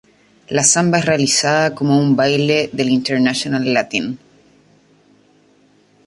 La samba es realizada como un baile del "International latin".